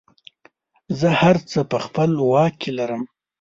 زه هر څه په خپله واک کې لرم.